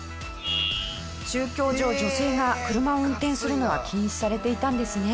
宗教上女性が車を運転するのは禁止されていたんですね。